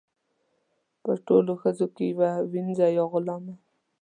په ټولو ښځو کې یوه وینځه یا غلامه.